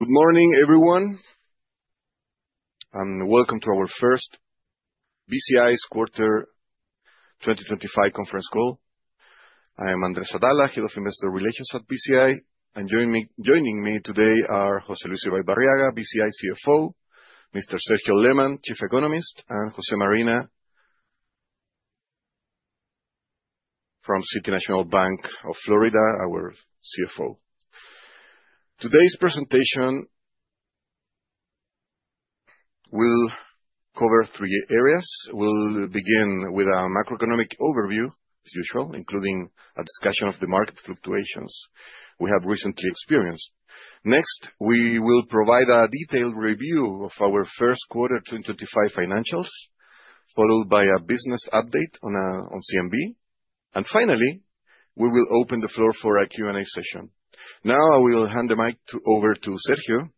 Good morning, everyone, and welcome to our First Bci's Quarter 2025 Conference Call. I am Andrés Atala, Head of Investor Relations at Bci. Joining me today are José Luis Ibaibarriaga, Bci CFO, Mr. Sergio Lehmann, Chief Economist, and José Marina from City National Bank of Florida, our CFO. Today's presentation will cover three areas. We'll begin with a macroeconomic overview as usual, including a discussion of the market fluctuations we have recently experienced. Next, we will provide a detailed review of our first quarter 2025 financials, followed by a business update on CNB. Finally, we will open the floor for a Q&A session. Now I will hand the mic over to Sergio,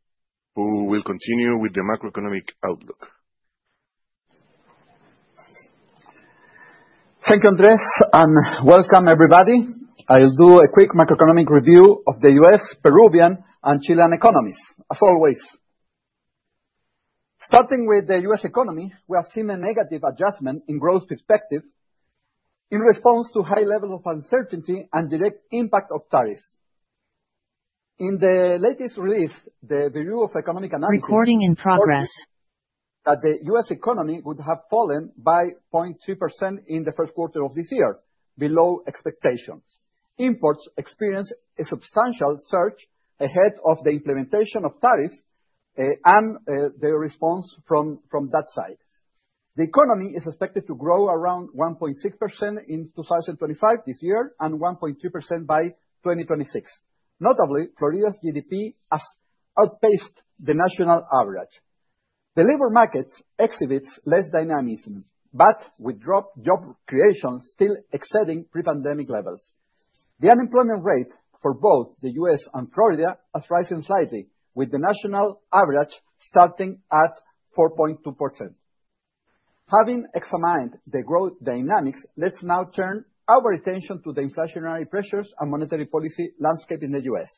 who will continue with the macroeconomic outlook. Thank you, Andrés, and welcome everybody. I'll do a quick macroeconomic review of the U.S., Peruvian and Chilean economies, as always. Starting with the U.S. economy, we have seen a negative adjustment in growth perspective in response to high level of uncertainty and direct impact of tariffs. In the latest release, the Bureau of Economic Analysis. Recording in progress. That the U.S. economy would have fallen by 0.2% in the first quarter of this year, below expectations. Imports experienced a substantial surge ahead of the implementation of tariffs and the response from that side. The economy is expected to grow around 1.6% in 2025, this year, and 1.2% by 2026. Notably, Florida's GDP has outpaced the national average. The labor market exhibits less dynamism, but with job creation still exceeding pre-pandemic levels. The unemployment rate for both the U.S. and Florida has risen slightly, with the national average starting at 4.2%. Having examined the growth dynamics, let's now turn our attention to the inflationary pressures and monetary policy landscape in the U.S.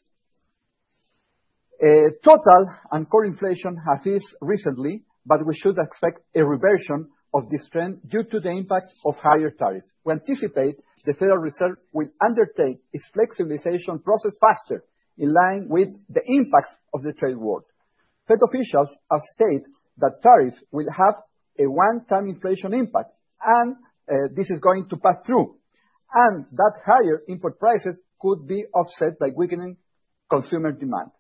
Total and core inflation have increased recently, but we should expect a reversion of this trend due to the impact of higher tariffs. We anticipate the Federal Reserve will undertake its flexibilization process faster, in line with the impacts of the trade war. Fed officials have stated that tariffs will have a one-time inflation impact, and this is going to pass through, and that higher import prices could be offset by weakening consumer demand.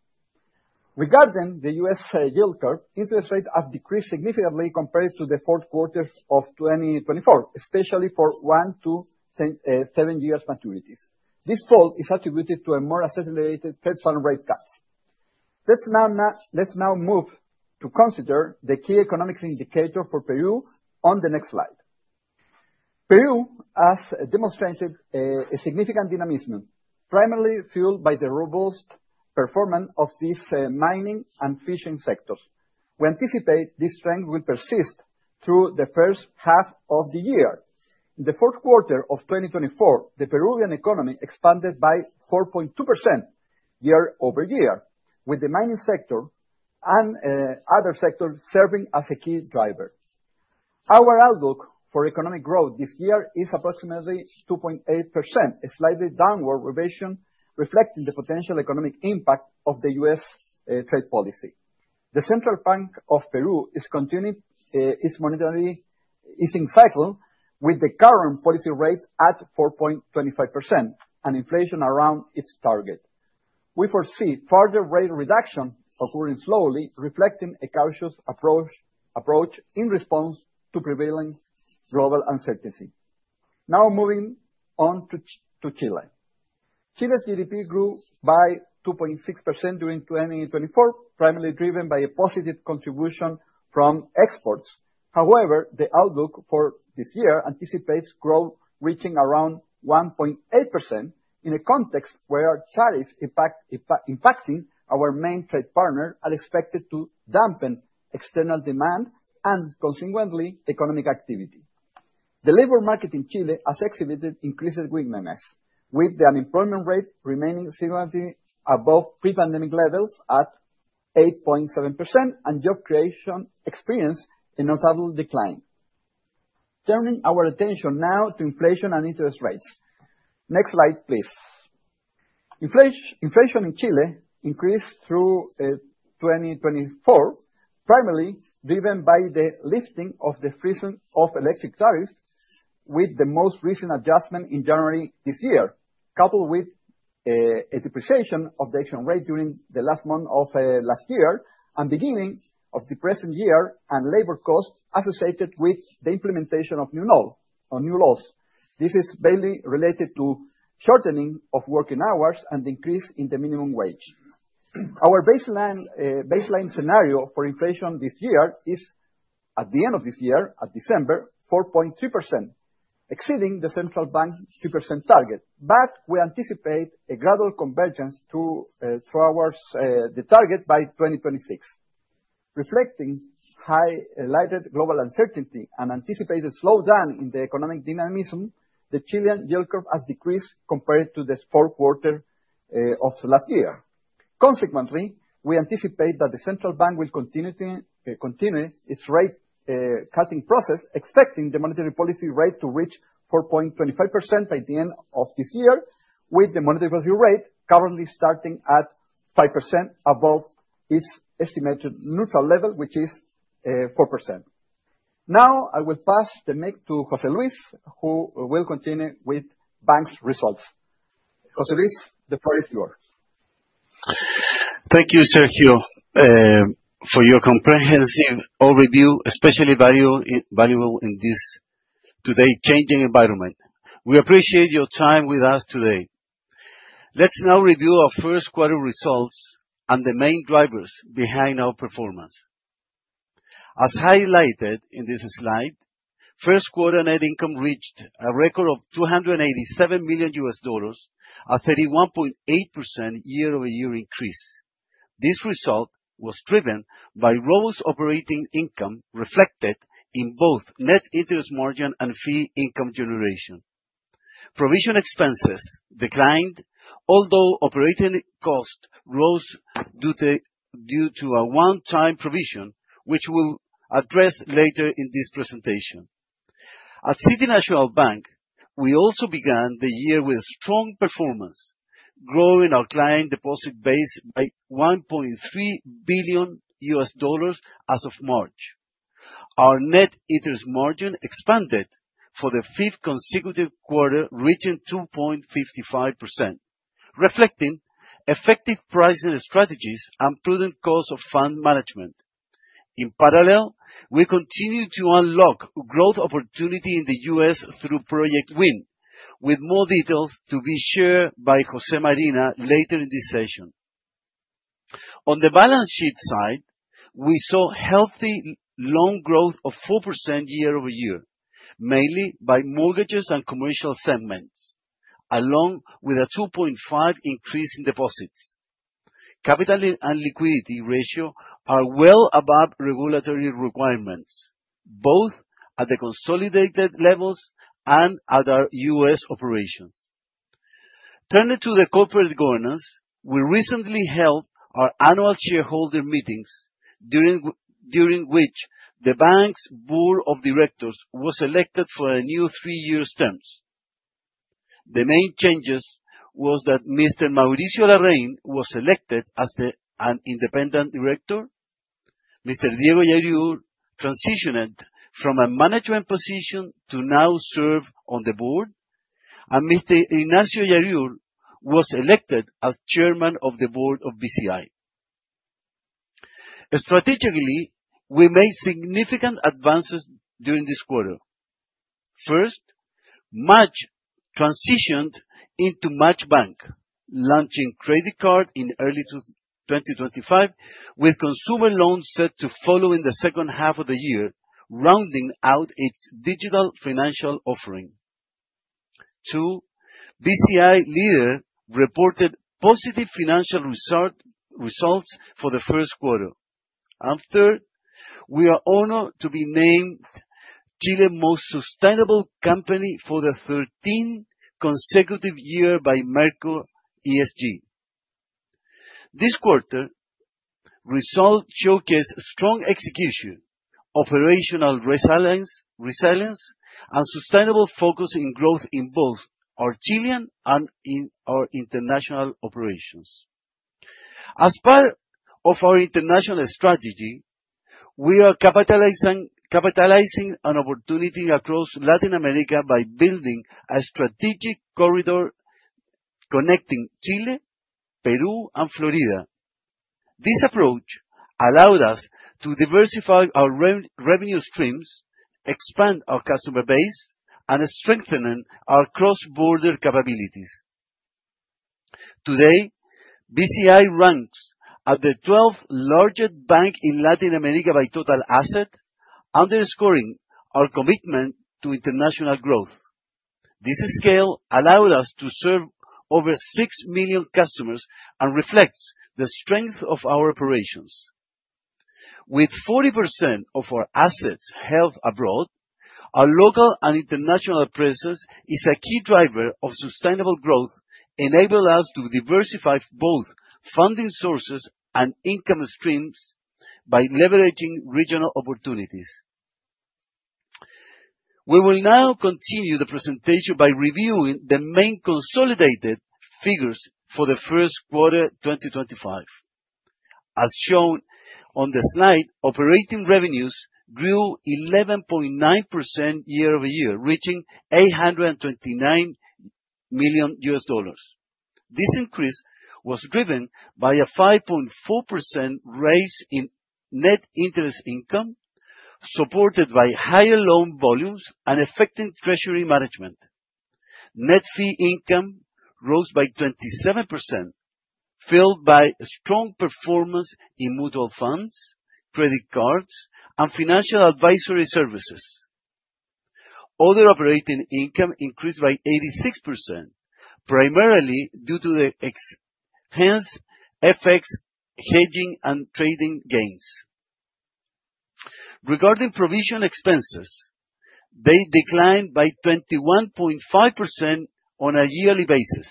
Regarding the U.S. yield curve, interest rates have decreased significantly compared to the fourth quarter of 2024, especially for one, two, ten, seven years maturities. This fall is attributed to a more accelerated Fed funds rate cuts. Let's now move to consider the key economic indicator for Peru on the next slide. Peru has demonstrated a significant dynamism, primarily fueled by the robust performance of these mining and fishing sectors. We anticipate this trend will persist through the first half of the year. In the fourth quarter of 2024, the Peruvian economy expanded by 4.2% year-over-year, with the mining sector and other sectors serving as a key driver. Our outlook for economic growth this year is approximately 2.8%, a slightly downward revision reflecting the potential economic impact of the U.S. trade policy. The Central Bank of Peru is in cycle with the current policy rates at 4.25% and inflation around its target. We foresee further rate reduction occurring slowly, reflecting a cautious approach in response to prevailing global uncertainty. Now moving on to Chile. Chile's GDP grew by 2.6% during 2024, primarily driven by a positive contribution from exports. However, the outlook for this year anticipates growth reaching around 1.8% in a context where tariffs impacting our main trade partners are expected to dampen external demand and consequently economic activity. The labor market in Chile has exhibited increased weakness, with the unemployment rate remaining significantly above pre-pandemic levels at 8.7% and job creation experiencing a notable decline. Turning our attention now to inflation and interest rates. Next slide, please. Inflation in Chile increased through 2024, primarily driven by the lifting of the freezing of electric tariffs, with the most recent adjustment in January this year. Coupled with a depreciation of the exchange rate during the last month of last year and beginning of the present year, and labor costs associated with the implementation of new laws. This is mainly related to shortening of working hours and increase in the minimum wage. Our baseline scenario for inflation this year is, at the end of this year, at December, 4.2%, exceeding the central bank's 2% target. We anticipate a gradual convergence to towards the target by 2026. Reflecting highlighted global uncertainty and anticipated slowdown in the economic dynamism, the Chilean yield curve has decreased compared to the fourth quarter of last year. Consequently, we anticipate that the central bank will continue its rate cutting process, expecting the monetary policy rate to reach 4.25% by the end of this year, with the monetary policy rate currently starting at 5% above its estimated neutral level, which is 4%. Now, I will pass the mic to José Luis, who will continue with bank's results. José Luis, the floor is yours. Thank you, Sergio, for your comprehensive overview, especially valuable in this today's changing environment. We appreciate your time with us today. Let's now review our first quarter results and the main drivers behind our performance. As highlighted in this slide, first quarter net income reached a record of $287 million, a 31.8% year-over-year increase. This result was driven by robust operating income reflected in both net interest margin and fee income generation. Provision expenses declined, although operating cost rose due to a one-time provision, which we'll address later in this presentation. At City National Bank, we also began the year with strong performance, growing our client deposit base by $1.3 billion as of March. Our net interest margin expanded for the fifth consecutive quarter, reaching 2.55%, reflecting effective pricing strategies and prudent cost of fund management. In parallel, we continue to unlock growth opportunity in the U.S. through Project Win, with more details to be shared by Jose Marina later in this session. On the balance sheet side, we saw healthy loan growth of 4% year-over-year, mainly by mortgages and commercial segments, along with a 2.5% increase in deposits. Capital and liquidity ratio are well above regulatory requirements, both at the consolidated levels and at our U.S. operations. Turning to the corporate governance, we recently held our annual shareholder meetings during which the bank's board of directors was elected for a new three-year terms. The main changes was that Mr. Mauricio Larraín was elected as an independent director. Mr. Diego Yarur transitioned from a management position to now serve on the board, and Mr. Ignacio Yarur was elected as chairman of the board of Bci. Strategically, we made significant advances during this quarter. First, MACH transitioned into MACHBANK, launching credit card in early 2025, with consumer loans set to follow in the second half of the year, rounding out its digital financial offering. Two, Bci Lider reported positive financial results for the first quarter. Third, we are honored to be named Chile's most sustainable company for the 13th consecutive year by Merco ESG. This quarter results showcase strong execution, operational resilience, and sustainable focus in growth in both our Chilean and in our international operations. As part of our international strategy, we are capitalizing on opportunity across Latin America by building a strategic corridor connecting Chile, Peru, and Florida. This approach allowed us to diversify our revenue streams, expand our customer base, and strengthening our cross-border capabilities. Today, Bci ranks as the 12th largest bank in Latin America by total assets, underscoring our commitment to international growth. This scale allowed us to serve over six million customers and reflects the strength of our operations. With 40% of our assets held abroad, our local and international presence is a key driver of sustainable growth, enable us to diversify both funding sources and income streams by leveraging regional opportunities. We will now continue the presentation by reviewing the main consolidated figures for the first quarter 2025. As shown on the slide, operating revenues grew 11.9% year-over-year, reaching $829 million. This increase was driven by a 5.4% raise in net interest income, supported by higher loan volumes and effective treasury management. Net fee income rose by 27%, fueled by strong performance in mutual funds, credit cards, and financial advisory services. Other operating income increased by 86%, primarily due to the exchange FX hedging and trading gains. Regarding provision expenses, they declined by 21.5% on a yearly basis,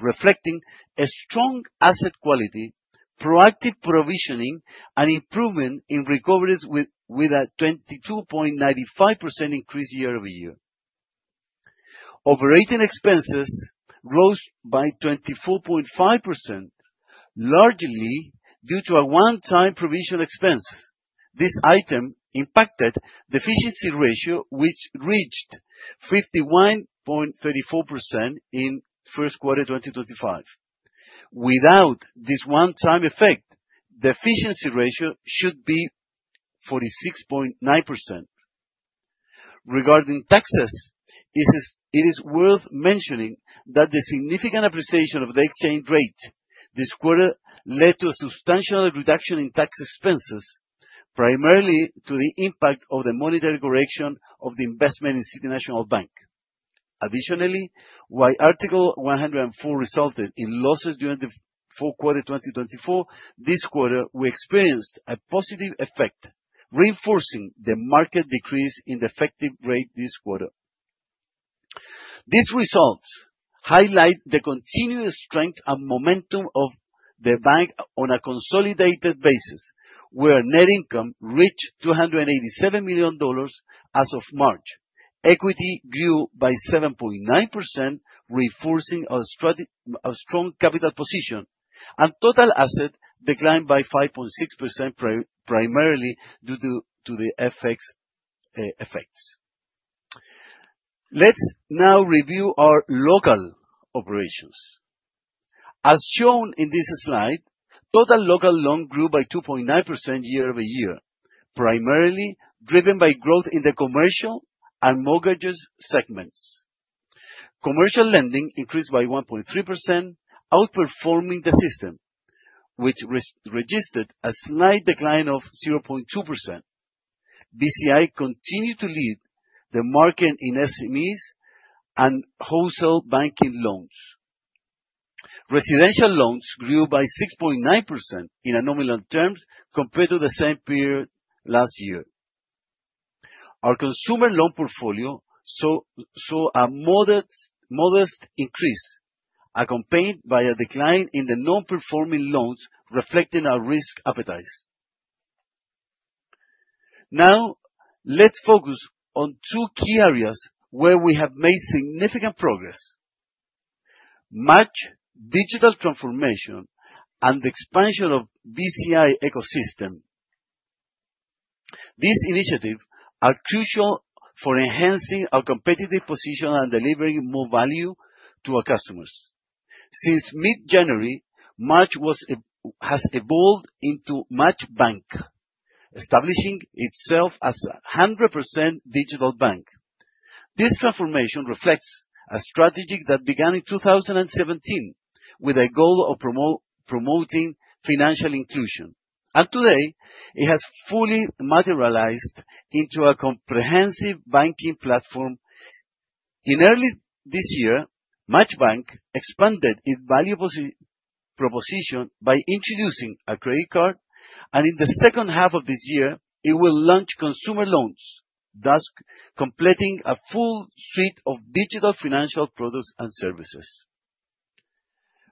reflecting a strong asset quality, proactive provisioning, and improvement in recoveries with a 22.95% increase year-over-year. Operating expenses rose by 24.5%, largely due to a one-time provision expense. This item impacted the efficiency ratio, which reached 51.34% in first quarter 2025. Without this one-time effect, the efficiency ratio should be 46.9%. Regarding taxes, it is worth mentioning that the significant appreciation of the exchange rate this quarter led to a substantial reduction in tax expenses, primarily due to the impact of the monetary correction of the investment in City National Bank. Additionally, while Article 104 resulted in losses during the fourth quarter 2024, this quarter we experienced a positive effect, reinforcing the marked decrease in the effective rate this quarter. These results highlight the continuous strength and momentum of the bank on a consolidated basis, where net income reached $287 million as of March. Equity grew by 7.9%, reinforcing our strong capital position, and total assets declined by 5.6% primarily due to the FX effects. Let's now review our local operations. As shown in this slide, total local loans grew by 2.9% year-over-year, primarily driven by growth in the commercial and mortgages segments. Commercial lending increased by 1.3%, outperforming the system, which registered a slight decline of 0.2%. Bci continued to lead the market in SMEs and wholesale banking loans. Residential loans grew by 6.9% in nominal terms compared to the same period last year. Our consumer loan portfolio saw a modest increase accompanied by a decline in the non-performing loans, reflecting our risk appetite. Now let's focus on two key areas where we have made significant progress, our digital transformation and the expansion of Bci ecosystem. These initiatives are crucial for enhancing our competitive position and delivering more value to our customers. Since mid-January, MACH has evolved into MACHBANK, establishing itself as a 100% digital bank. This transformation reflects a strategy that began in 2017 with a goal of promoting financial inclusion, and today it has fully materialized into a comprehensive banking platform. In early this year, MACHBANK expanded its value proposition by introducing a credit card, and in the second half of this year it will launch consumer loans, thus completing a full suite of digital financial products and services.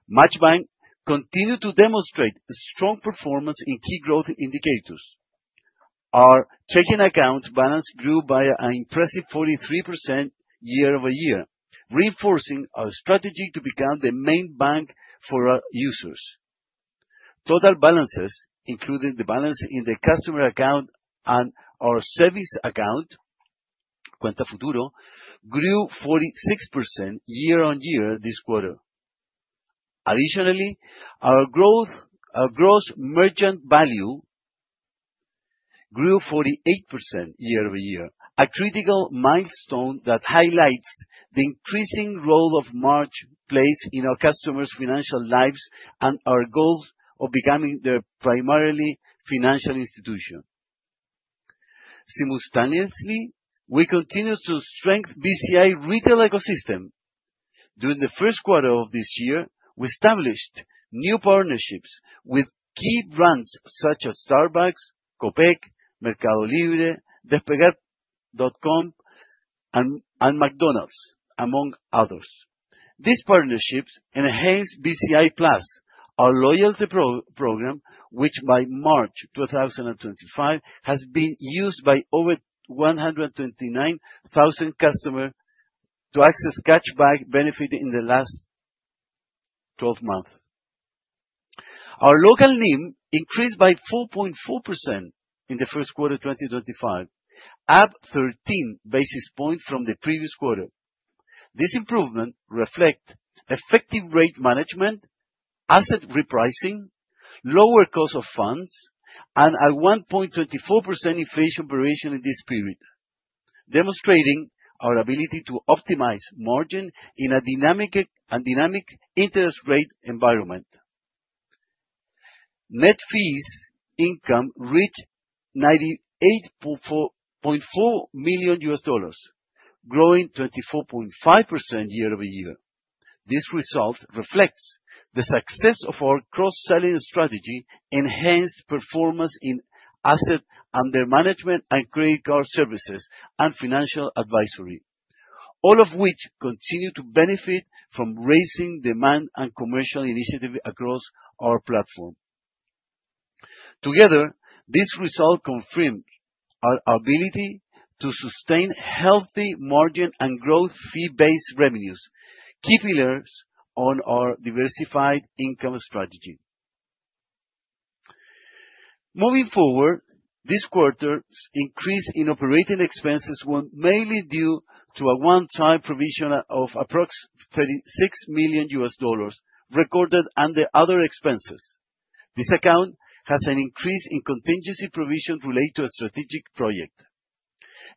MACHBANK continued to demonstrate strong performance in key growth indicators. Our checking account balance grew by an impressive 43% year-over-year, reinforcing our strategy to become the main bank for our users. Total balances, including the balance in the customer account and our service account, Cuenta Futuro, grew 46% year-over-year this quarter. Additionally, our growth, our gross merchandise value grew 48% year-over-year, a critical milestone that highlights the increasing role of MACH platform in our customers' financial lives and our goals of becoming their primary financial institution. We continue to strengthen Bci retail ecosystem. During the first quarter of this year, we established new partnerships with key brands such as Starbucks, Copec, Mercado Libre, Despegar.com, and McDonald's, among others. These partnerships enhance BciPlus+, our loyalty program, which by March 2025 has been used by over 129,000 customers to access cashback benefit in the last 12 months. Our local NIM increased by 4.4% in the first quarter 2025, up 13 basis points from the previous quarter. This improvement reflect effective rate management, asset repricing, lower cost of funds, and a 1.24% inflation variation in this period, demonstrating our ability to optimize margin in a dynamic interest rate environment. Net fees income reached $98.4 million, growing 24.5% year-over-year. This result reflects the success of our cross-selling strategy, enhanced performance in asset under management and credit card services and financial advisory, all of which continue to benefit from rising demand and commercial initiative across our platform. Together, this result confirms our ability to sustain healthy margin and growth fee-based revenues, key pillars of our diversified income strategy. Moving forward, this quarter's increase in operating expenses were mainly due to a one-time provision of approximately $36 million recorded under other expenses. This account has an increase in contingency provision related to a strategic project.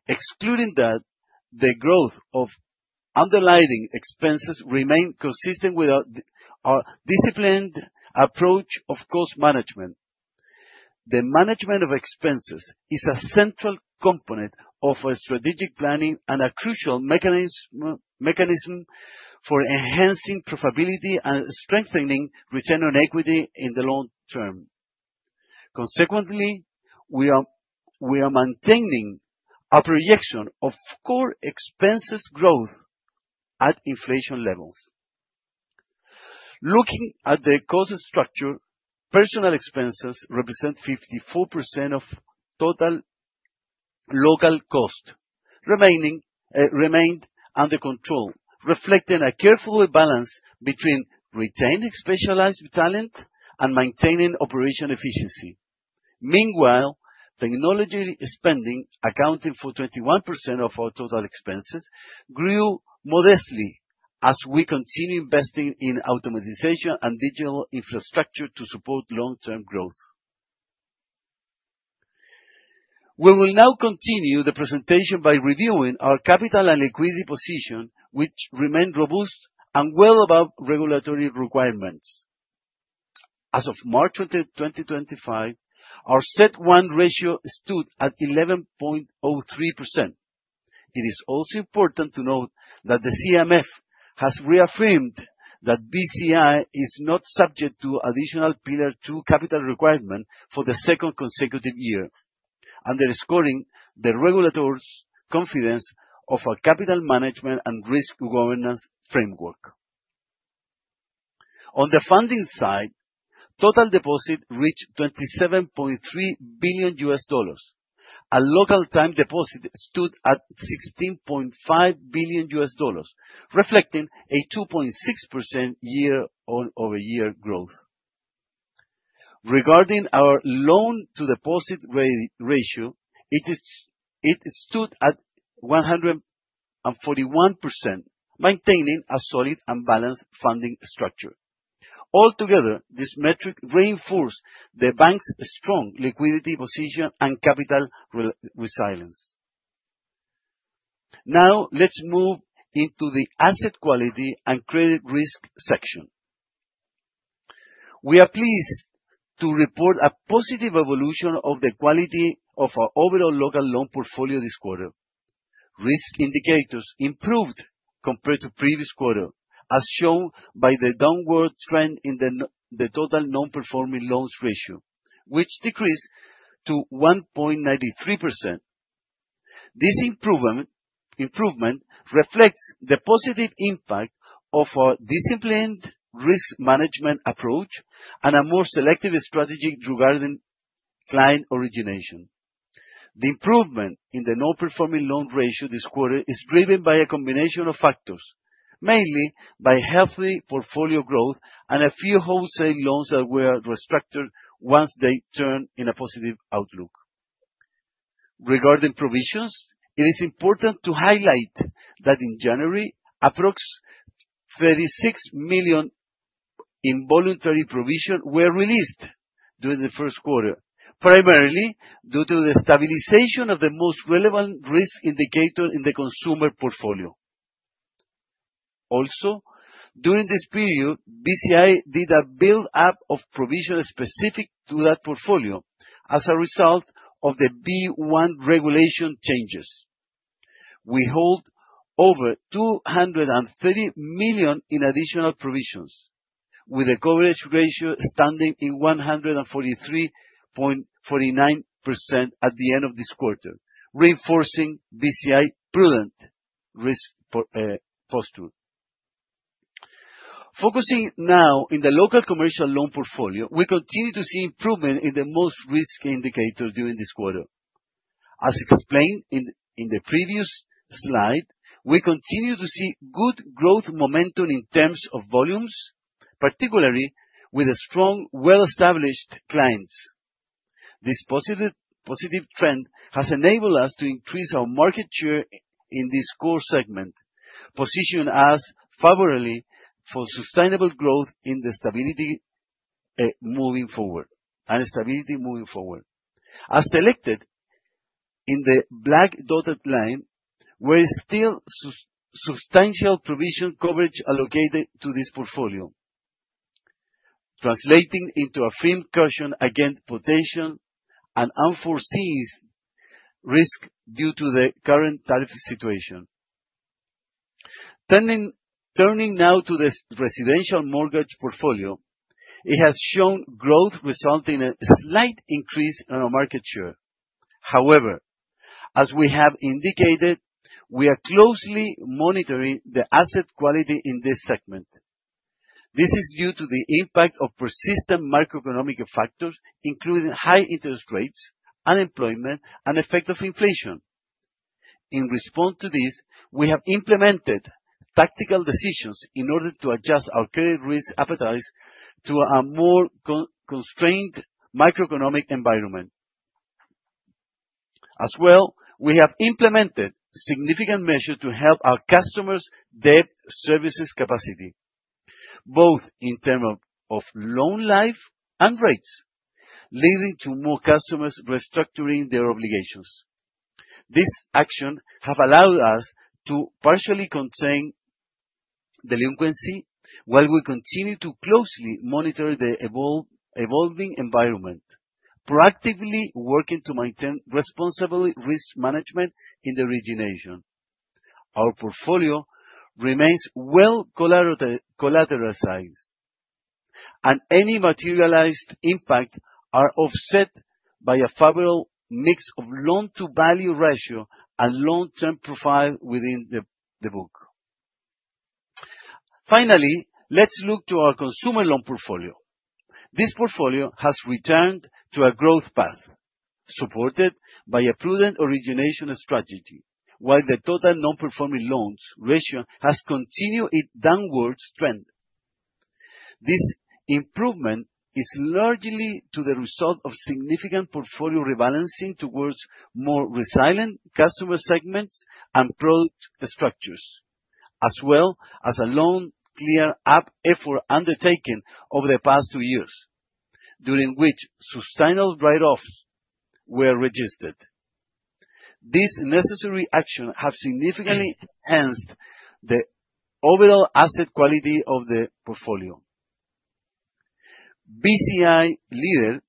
Excluding that, the growth of underlying expenses remain consistent with our disciplined approach of cost management. The management of expenses is a central component of our strategic planning and a crucial mechanism for enhancing profitability and strengthening return on equity in the long term. Consequently, we are maintaining a projection of core expenses growth at inflation levels. Looking at the cost structure, personnel expenses represent 54% of total local cost. Remained under control, reflecting a careful balance between retaining specialized talent and maintaining operational efficiency. Meanwhile, technology spending, accounting for 21% of our total expenses, grew modestly as we continue investing in automation and digital infrastructure to support long-term growth. We will now continue the presentation by reviewing our capital and liquidity position, which remain robust and well above regulatory requirements. As of March 20, 2025, our CET1 ratio stood at 11.03%. It is also important to note that the CMF has reaffirmed that Bci is not subject to additional Pillar 2 capital requirement for the second consecutive year, underscoring the regulators' confidence of our capital management and risk governance framework. On the funding side, total deposit reached $27.3 billion, and local time deposit stood at $16.5 billion, reflecting a 2.6% year-over-year growth. Regarding our loan-to-deposit ratio, it stood at 141%, maintaining a solid and balanced funding structure. Altogether, this metric reinforce the bank's strong liquidity position and capital resilience. Now let's move into the asset quality and credit risk section. We are pleased to report a positive evolution of the quality of our overall local loan portfolio this quarter. Risk indicators improved compared to previous quarter, as shown by the downward trend in the total nonperforming loans ratio, which decreased to 1.93%. This improvement reflects the positive impact of our disciplined risk management approach and a more selective strategy regarding client origination. The improvement in the nonperforming loan ratio this quarter is driven by a combination of factors, mainly by healthy portfolio growth and a few wholesale loans that were restructured once they turned in a positive outlook. Regarding provisions, it is important to highlight that in January, approx 36 million in voluntary provisions were released during the first quarter, primarily due to the stabilization of the most relevant risk indicator in the consumer portfolio. Also, during this period, Bci did a build-up of provisions specific to that portfolio as a result of the B1 regulation changes. We hold over 230 million in additional provisions, with a coverage ratio standing in 143.49% at the end of this quarter, reinforcing Bci prudent risk posture. Focusing now in the local commercial loan portfolio, we continue to see improvement in the most risk indicators during this quarter. As explained in the previous slide, we continue to see good growth momentum in terms of volumes, particularly with strong, well-established clients. This positive trend has enabled us to increase our market share in this core segment, positioning us favorably for sustainable growth in the stability moving forward. As selected in the black dotted line, where still substantial provision coverage allocated to this portfolio, translating into a firm caution against potential and unforeseen risk due to the current tariff situation. Turning now to this residential mortgage portfolio, it has shown growth resulting in a slight increase in our market share. However, as we have indicated, we are closely monitoring the asset quality in this segment. This is due to the impact of persistent macroeconomic factors, including high interest rates, unemployment, and effect of inflation. In response to this, we have implemented tactical decisions in order to adjust our credit risk appetite to a more constrained macroeconomic environment. As well, we have implemented significant measures to help our customers' debt service capacity, both in terms of loan life and rates, leading to more customers restructuring their obligations. This action have allowed us to partially contain delinquency while we continue to closely monitor the evolving environment, proactively working to maintain responsible risk management in the origination. Our portfolio remains well collateralized, and any materialized impact are offset by a favorable mix of loan-to-value ratio and long-term profile within the book. Finally, let's look to our consumer loan portfolio. This portfolio has returned to a growth path supported by a prudent origination strategy. While the total non-performing loans ratio has continued its downward trend. This improvement is largely the result of significant portfolio rebalancing towards more resilient customer segments and product structures, as well as a loan clean-up effort undertaken over the past two years, during which sustainable write-offs were registered. These necessary actions have significantly enhanced the overall asset quality of the portfolio. Bci Lider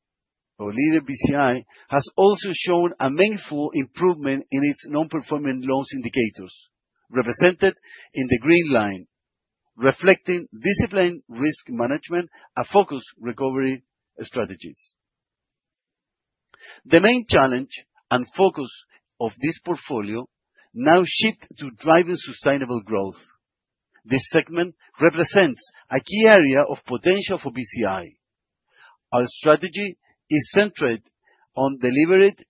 or Lider Bci has also shown a meaningful improvement in its non-performing loans indicators, represented in the green line, reflecting disciplined risk management and focused recovery strategies. The main challenge and focus of this portfolio now shift to driving sustainable growth. This segment represents a key area of potential for Bci. Our strategy is centered on a more deliberate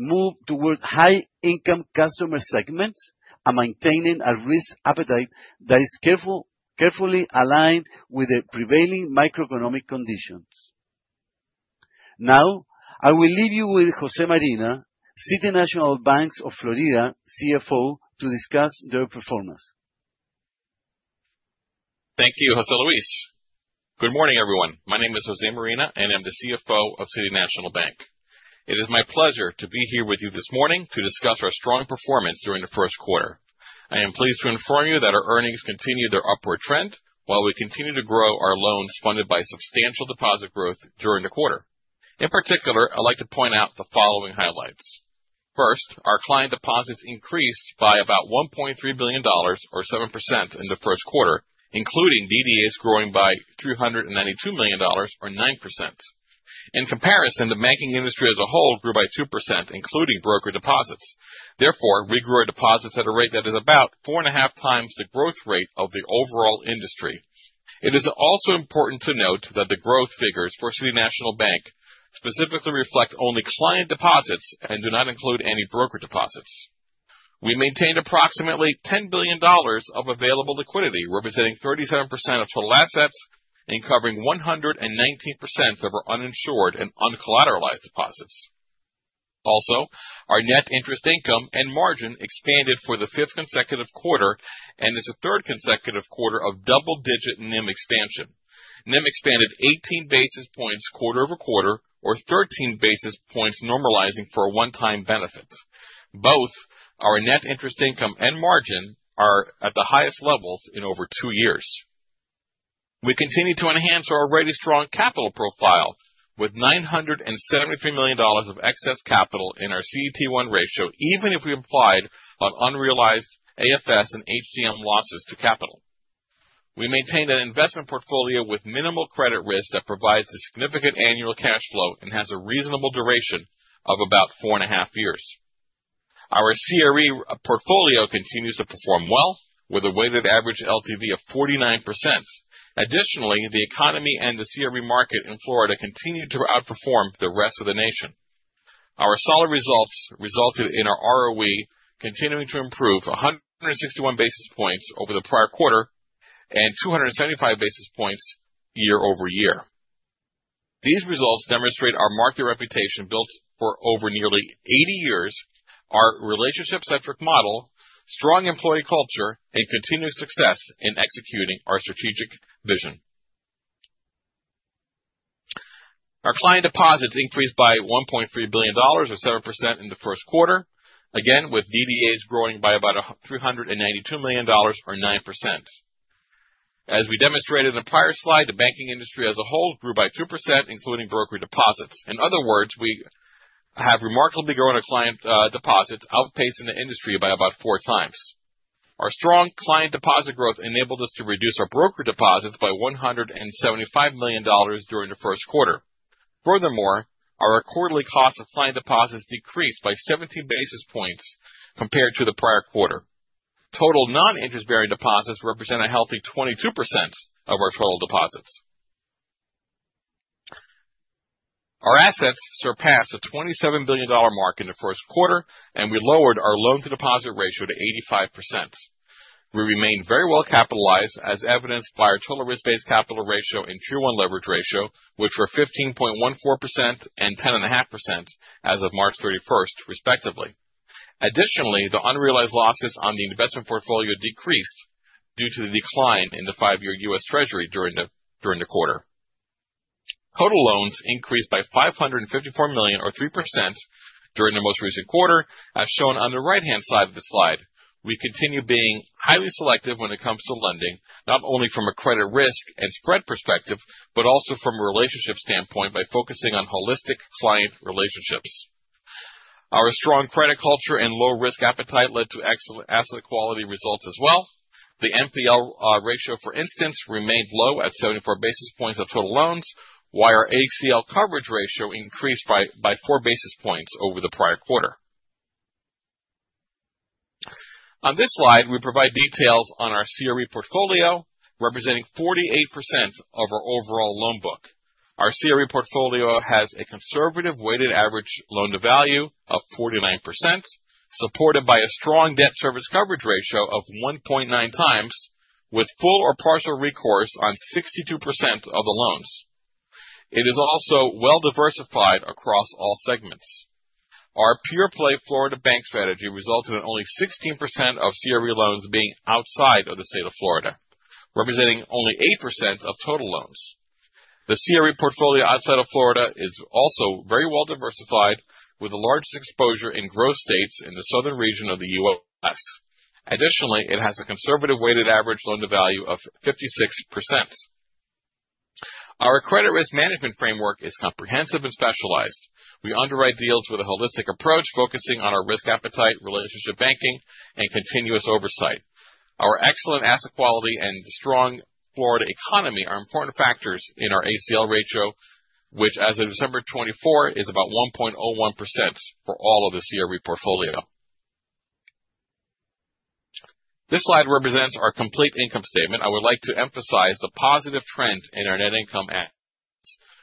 move towards high-income customer segments and maintaining a risk appetite that is carefully aligned with the prevailing macroeconomic conditions. Now, I will leave you with Jose Marina, City National Bank of Florida CFO, to discuss their performance. Thank you, José Luis. Good morning, everyone. My name is Jose Marina, and I'm the CFO of City National Bank. It is my pleasure to be here with you this morning to discuss our strong performance during the first quarter. I am pleased to inform you that our earnings continued their upward trend while we continue to grow our loans funded by substantial deposit growth during the quarter. In particular, I'd like to point out the following highlights. First, our client deposits increased by about $1.3 billion or 7% in the first quarter, including DDAs growing by $392 million or 9%. In comparison, the banking industry as a whole grew by 2%, including broker deposits. Therefore, we grew our deposits at a rate that is about 4.5x the growth rate of the overall industry. It is also important to note that the growth figures for City National Bank specifically reflect only client deposits and do not include any broker deposits. We maintained approximately $10 billion of available liquidity, representing 37% of total assets and covering 119% of our uninsured and uncollateralized deposits. Also, our net interest income and margin expanded for the fifth consecutive quarter and is the third consecutive quarter of double-digit NIM expansion. NIM expanded 18 basis points quarter-over-quarter, or 13 basis points normalizing for a one-time benefit. Both our net interest income and margin are at the highest levels in over two years. We continue to enhance our already strong capital profile with $973 million of excess capital in our CET1 ratio, even if we applied an unrealized AFS and HTM losses to capital. We maintained an investment portfolio with minimal credit risk that provides a significant annual cash flow and has a reasonable duration of about 4.5 years. Our CRE portfolio continues to perform well with a weighted average LTV of 49%. Additionally, the economy and the CRE market in Florida continued to outperform the rest of the nation. Our solid results resulted in our ROE continuing to improve 161 basis points over the prior quarter and 275 basis points year-over-year. These results demonstrate our market reputation built for over nearly 80 years, our relationship-centric model, strong employee culture, and continued success in executing our strategic vision. Our client deposits increased by $1.3 billion or 7% in the first quarter. Again, with DDAs growing by about $392 million or 9%. As we demonstrated in the prior slide, the banking industry as a whole grew by 2%, including broker deposits. In other words, we have remarkably grown our client deposits outpacing the industry by about four times. Our strong client deposit growth enabled us to reduce our broker deposits by $175 million during the first quarter. Furthermore, our quarterly cost of client deposits decreased by 70 basis points compared to the prior quarter. Total non-interest-bearing deposits represent a healthy 22% of our total deposits. Our assets surpassed a $27 billion mark in the first quarter, and we lowered our loan to deposit ratio to 85%. We remain very well capitalized as evidenced by our total risk-based capital ratio and Q1 leverage ratio, which were 15.14% and 10.5% as of March 31st, respectively. Additionally, the unrealized losses on the investment portfolio decreased due to the decline in the five-year U.S. Treasury during the quarter. Total loans increased by 554 million or 3% during the most recent quarter, as shown on the right-hand side of the slide. We continue being highly selective when it comes to lending, not only from a credit risk and spread perspective, but also from a relationship standpoint by focusing on holistic client relationships. Our strong credit culture and low risk appetite led to excellent asset quality results as well. The NPL ratio, for instance, remained low at 74 basis points of total loans, while our ACL coverage ratio increased by four basis points over the prior quarter. On this slide, we provide details on our CRE portfolio, representing 48% of our overall loan book. Our CRE portfolio has a conservative weighted average loan-to-value of 49%, supported by a strong debt service coverage ratio of 1.9x, with full or partial recourse on 62% of the loans. It is also well diversified across all segments. Our pure play Florida bank strategy resulted in only 16% of CRE loans being outside of the state of Florida, representing only 8% of total loans. The CRE portfolio outside of Florida is also very well diversified, with the largest exposure in growth states in the southern region of the U.S. Additionally, it has a conservative weighted average loan-to-value of 56%. Our credit risk management framework is comprehensive and specialized. We underwrite deals with a holistic approach, focusing on our risk appetite, relationship banking, and continuous oversight. Our excellent asset quality and the strong Florida economy are important factors in our ACL ratio, which as of December 24 is about 1.1% for all of the CRE portfolio. This slide represents our complete income statement. I would like to emphasize the positive trend in our net income,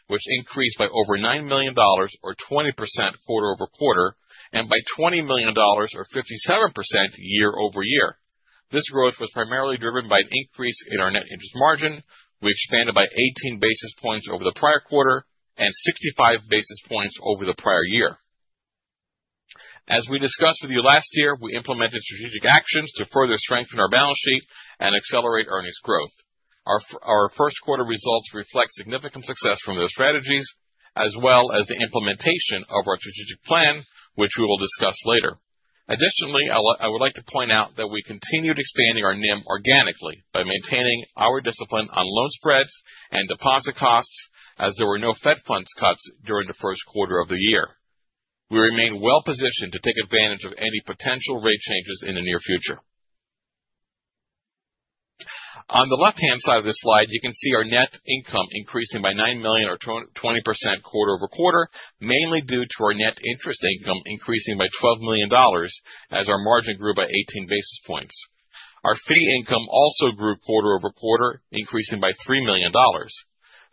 which increased by over $9 million or 20% quarter-over-quarter, and by $20 million or 57% year-over-year. This growth was primarily driven by an increase in our net interest margin, which expanded by 18 basis points over the prior quarter and 65 basis points over the prior year. We discussed with you last year, we implemented strategic actions to further strengthen our balance sheet and accelerate earnings growth. Our first quarter results reflect significant success from those strategies, as well as the implementation of our strategic plan, which we will discuss later. Additionally, I would like to point out that we continued expanding our NIM organically by maintaining our discipline on loan spreads and deposit costs as there were no Fed funds cuts during the first quarter of the year. We remain well positioned to take advantage of any potential rate changes in the near future. On the left-hand side of this slide, you can see our net income increasing by $9 million or 20% quarter-over-quarter, mainly due to our net interest income increasing by $12 million as our margin grew by 18 basis points. Our fee income also grew quarter-over-quarter, increasing by $3 million.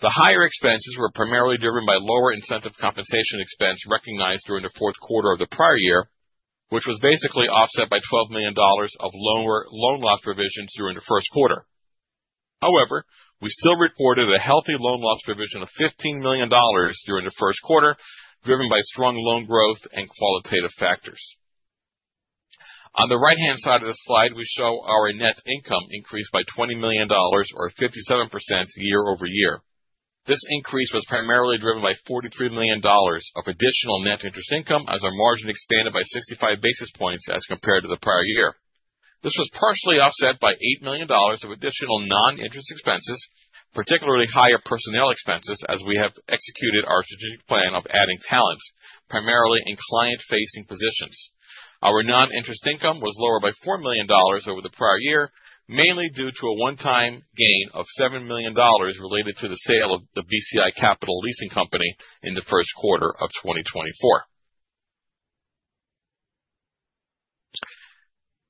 The higher expenses were primarily driven by lower incentive compensation expense recognized during the fourth quarter of the prior year, which was basically offset by $12 million of lower loan loss provisions during the first quarter. However, we still reported a healthy loan loss provision of $15 million during the first quarter, driven by strong loan growth and qualitative factors. On the right-hand side of the slide, we show our net income increased by $20 million or 57% year-over-year. This increase was primarily driven by $43 million of additional net interest income as our margin expanded by 65 basis points as compared to the prior year. This was partially offset by $8 million of additional non-interest expenses, particularly higher personnel expenses, as we have executed our strategic plan of adding talents, primarily in client-facing positions. Our non-interest income was lower by $4 million over the prior year, mainly due to a one-time gain of $7 million related to the sale of the Bci Capital Leasing Company in the first quarter of 2024.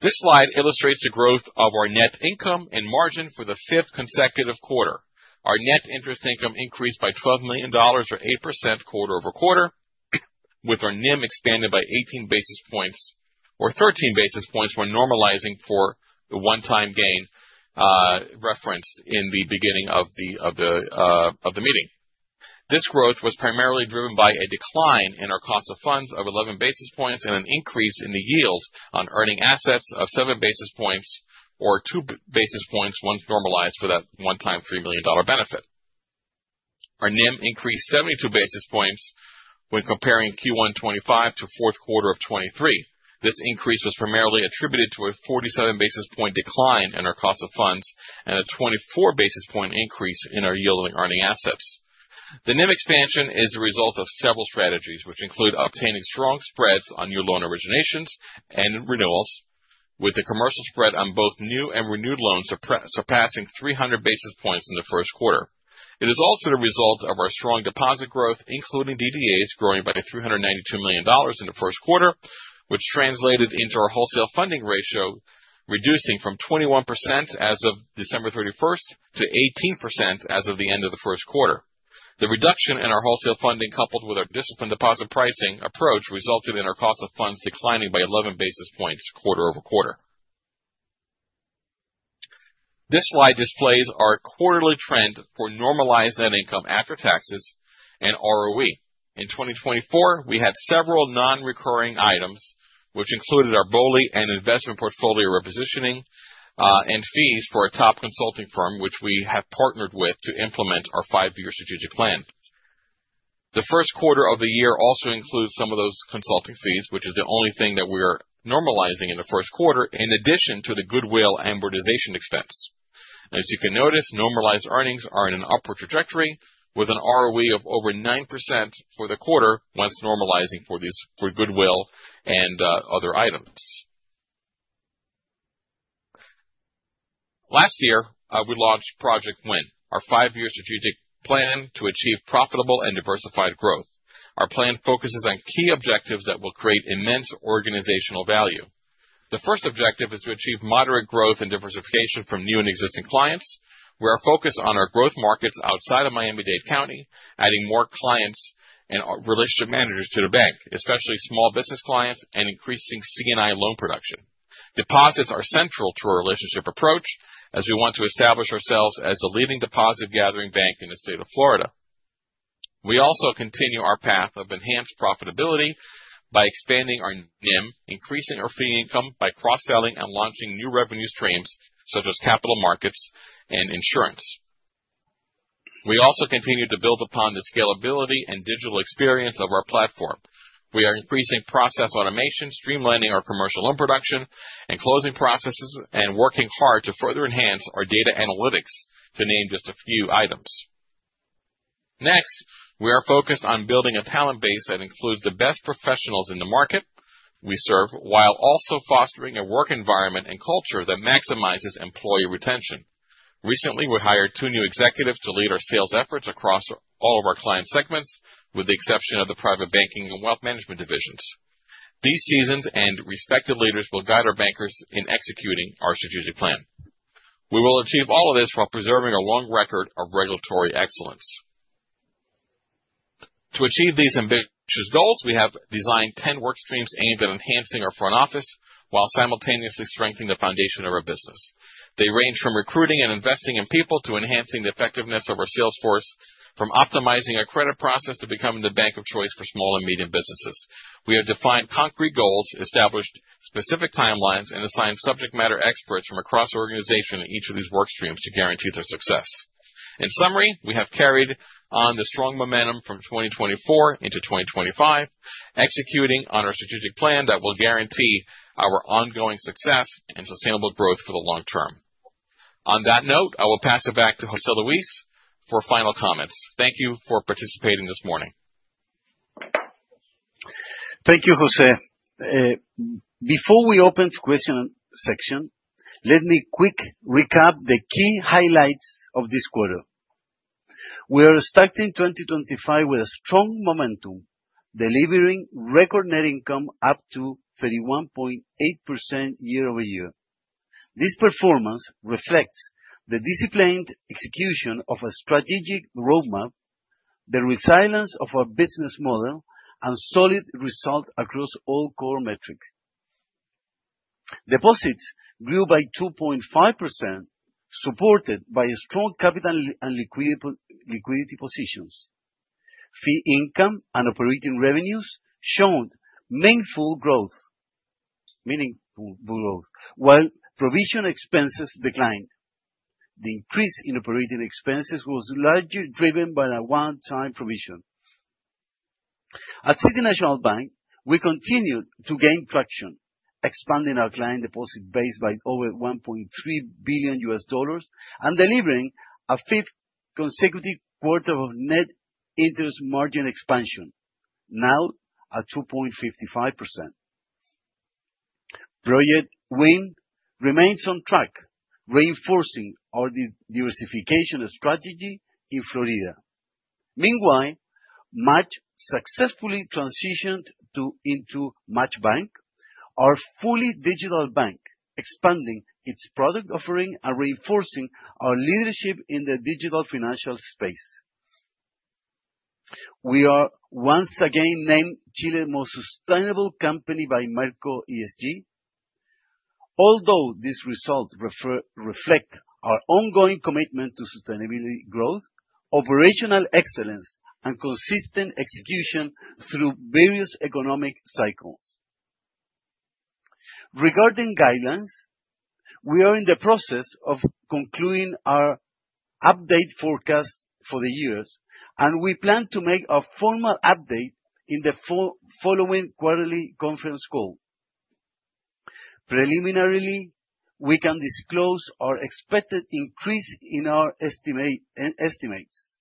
This slide illustrates the growth of our net income and margin for the fifth consecutive quarter. Our net interest income increased by $12 million or 8% quarter-over-quarter, with our NIM expanded by 18 basis points or 13 basis points when normalizing for the one-time gain referenced in the beginning of the meeting. This growth was primarily driven by a decline in our cost of funds of 11 basis points and an increase in the yield on earning assets of seven basis points or two basis points once normalized for that one-time $3 million benefit. Our NIM increased 72 basis points when comparing Q1 2025 to fourth quarter of 2023. This increase was primarily attributed to a 47 basis points decline in our cost of funds and a 24 basis points increase in our yield on earning assets. The NIM expansion is a result of several strategies, which include obtaining strong spreads on new loan originations and renewals, with the commercial spread on both new and renewed loans surpassing 300 basis points in the first quarter. It is also the result of our strong deposit growth, including DDAs growing by $392 million in the first quarter, which translated into our wholesale funding ratio, reducing from 21% as of December 31st to 18% as of the end of the first quarter. The reduction in our wholesale funding, coupled with our disciplined deposit pricing approach, resulted in our cost of funds declining by 11 basis points quarter-over-quarter. This slide displays our quarterly trend for normalized net income after taxes and ROE. In 2024, we had several non-recurring items which included our BOLI and investment portfolio repositioning, and fees for a top consulting firm, which we have partnered with to implement our five-year strategic plan. The first quarter of the year also includes some of those consulting fees, which is the only thing that we are normalizing in the first quarter, in addition to the goodwill amortization expense. As you can notice, normalized earnings are in an upward trajectory with an ROE of over 9% for the quarter once normalizing for these, for goodwill and other items. Last year, we launched Project Win, our five-year strategic plan to achieve profitable and diversified growth. Our plan focuses on key objectives that will create immense organizational value. The first objective is to achieve moderate growth and diversification from new and existing clients. We are focused on our growth markets outside of Miami-Dade County, adding more clients and relationship managers to the bank, especially small business clients and increasing C&I loan production. Deposits are central to our relationship approach as we want to establish ourselves as a leading deposit gathering bank in the state of Florida. We also continue our path of enhanced profitability by expanding our NIM, increasing our fee income by cross-selling and launching new revenue streams such as capital markets and insurance. We also continue to build upon the scalability and digital experience of our platform. We are increasing process automation, streamlining our commercial loan production and closing processes, and working hard to further enhance our data analytics to name just a few items. Next, we are focused on building a talent base that includes the best professionals in the market we serve, while also fostering a work environment and culture that maximizes employee retention. Recently, we hired two new executives to lead our sales efforts across all of our client segments, with the exception of the private banking and wealth management divisions. These seasoned and respected leaders will guide our bankers in executing our strategic plan. We will achieve all of this while preserving a long record of regulatory excellence. To achieve these ambitious goals, we have designed 10 work streams aimed at enhancing our front office while simultaneously strengthening the foundation of our business. They range from recruiting and investing in people to enhancing the effectiveness of our sales force, from optimizing our credit process to becoming the bank of choice for small and medium businesses. We have defined concrete goals, established specific timelines, and assigned subject matter experts from across the organization in each of these work streams to guarantee their success. In summary, we have carried on the strong momentum from 2024 into 2025, executing on our strategic plan that will guarantee our ongoing success and sustainable growth for the long term. On that note, I will pass it back to José Luis for final comments. Thank you for participating this morning. Thank you, José. Before we open to question section, let me quickly recap the key highlights of this quarter. We are starting 2025 with a strong momentum, delivering record net income up 31.8% year-over-year. This performance reflects the disciplined execution of a strategic roadmap, the resilience of our business model and solid results across all core metrics. Deposits grew by 2.5%, supported by a strong capital and liquidity positions. Fee income and operating revenues showed meaningful growth while provision expenses declined. The increase in operating expenses was largely driven by a one-time provision. At City National Bank, we continued to gain traction, expanding our client deposit base by over $1.3 billion and delivering a fifth consecutive quarter of net interest margin expansion, now at 2.55%. Project Win remains on track, reinforcing our diversification strategy in Florida. Meanwhile, MACH successfully transitioned into MACHBANK, our fully digital bank, expanding its product offering and reinforcing our leadership in the digital financial space. We are once again named Chile's Most Sustainable Company by Merco ESG. Although this result reflects our ongoing commitment to sustainability growth, operational excellence, and consistent execution through various economic cycles. Regarding guidelines, we are in the process of concluding our update forecast for the years, and we plan to make a formal update in the following quarterly conference call. Preliminarily, we can disclose our expected increase in our estimates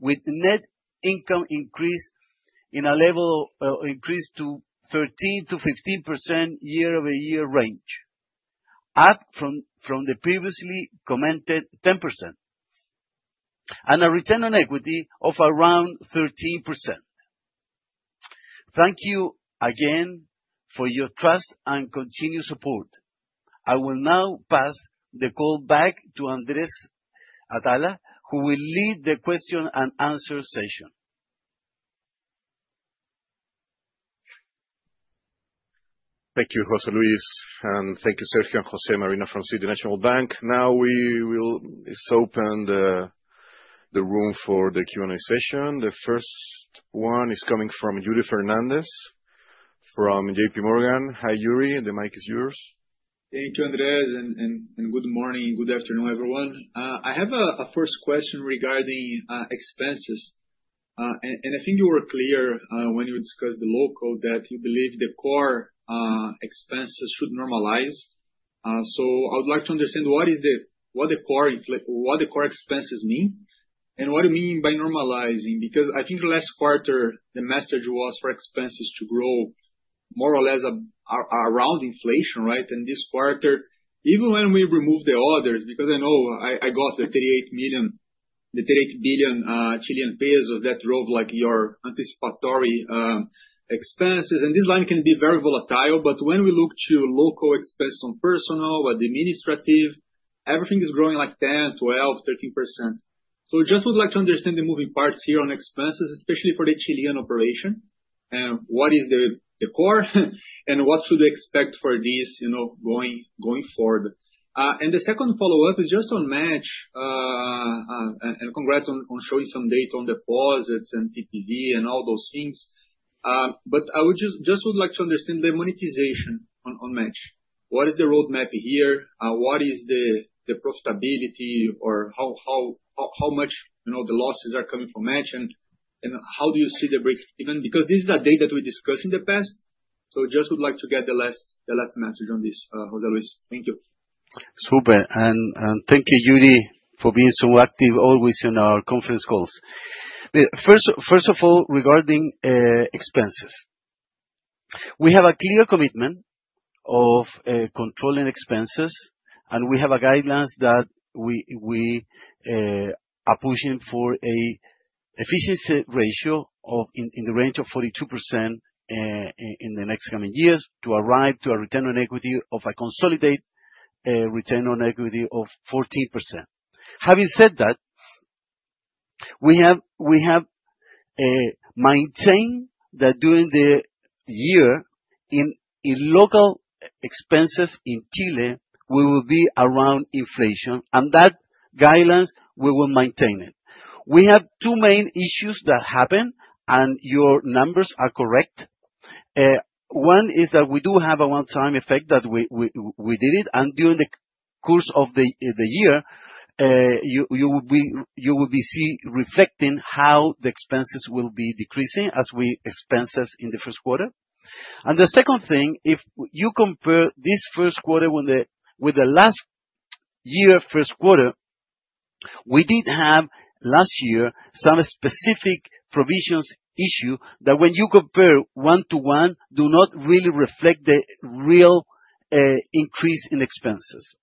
with net income increase to 13%-15% year-over-year range, up from the previously commented 10% and a return on equity of around 13%. Thank you again for your trust and continued support. I will now pass the call back to Andrés Atala, who will lead the question and answer session. Thank you, José Luis, and thank you, Sergio and Jose Marina from City National Bank. Now we will open the room for the Q&A session. The first one is coming from Yuri Fernandes from J.P. Morgan. Hi, Yuri. The mic is yours. Thank you, Andrés, and good morning. Good afternoon, everyone. I have a first question regarding expenses. I think you were clear when you discussed the logic that you believe the core expenses should normalize. I would like to understand what the core expenses mean and what do you mean by normalizing? Because I think the last quarter, the message was for expenses to grow more or less around inflation, right? This quarter, even when we remove the outliers, because I know I got the 38 billion Chilean pesos that drove, like, your anticipatory expenses, and this line can be very volatile. When we look at total expense on personnel or administrative, everything is growing like 10%, 12%, 13%. Just would like to understand the moving parts here on expenses, especially for the Chilean operation, what is the core and what should we expect for this, you know, going forward? And the second follow-up is just on MACH. And congrats on showing some data on deposits and TPV and all those things. But I would just would like to understand the monetization on MACH. What is the roadmap here? What is the profitability or how much, you know, the losses are coming from MACH and how do you see the break-even? Because this is a data we discussed in the past, so just would like to get the last message on this, José Luis. Thank you. Super. Thank you, Yuri, for being so active always in our conference calls. First of all, regarding expenses. We have a clear commitment of controlling expenses, and we have guidelines that we are pushing for an efficiency ratio in the range of 42% in the next coming years to arrive to a return on equity of a consolidated return on equity of 14%. Having said that, we have maintained that during the year, local expenses in Chile will be around inflation. That guidance, we will maintain it. We have two main issues that happen, and your numbers are correct. One is that we do have a one-time effect that we did it, and during the course of the year, you will see reflecting how the expenses will be decreasing as the expenses in the first quarter. The second thing, if you compare this first quarter with the last year first quarter, we did have last year some specific provisions issue that when you compare one-to-one, do not really reflect the real increase in expenses.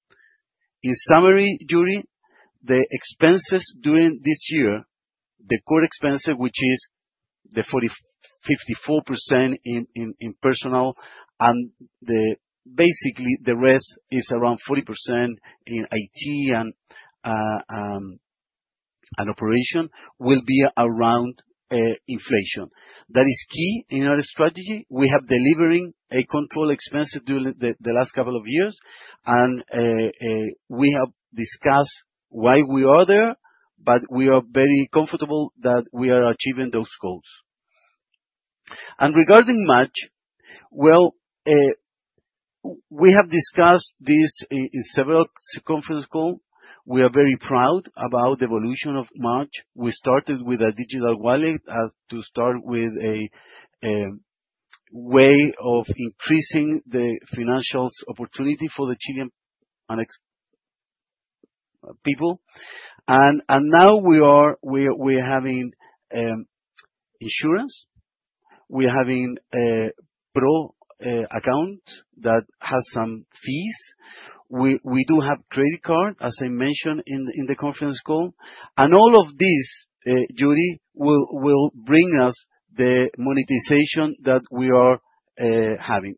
In summary, Yuri, the expenses during this year, the core expense, which is the 54% in personnel and basically the rest is around 40% in IT and operation will be around inflation. That is key in our strategy. We have been delivering controlled expenses during the last couple of years and we have discussed why we are there, but we are very comfortable that we are achieving those goals. Regarding MACH, we have discussed this in several conference calls. We are very proud about the evolution of MACH. We started with a digital wallet as a way of increasing the financial opportunity for the Chilean and expat people. Now we are having insurance, we are having a pro account that has some fees. We do have credit card, as I mentioned in the conference call. All of this, Yuri, will bring us the monetization that we are having.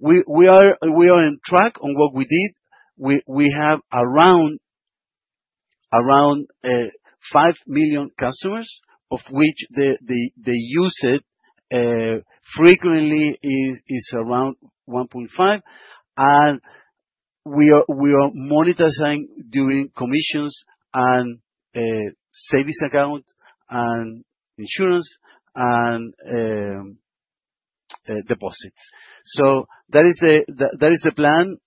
We are on track on what we did. We have around five million customers, of which the usage frequently is around 1.5. We are monetizing doing commissions and savings account and insurance and deposits. That is the plan,